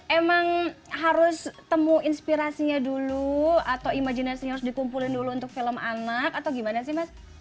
emang harus temu inspirasinya dulu atau imajinasinya harus dikumpulin dulu untuk film anak atau gimana sih mas